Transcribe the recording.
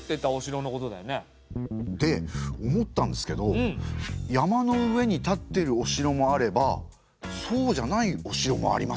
で思ったんですけど山の上に立ってるお城もあればそうじゃないお城もありますよね。